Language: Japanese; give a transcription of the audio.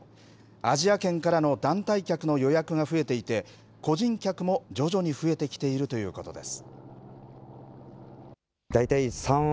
アジア圏からの団体客の予約が増えていて個人客も徐々に増えてきているということです。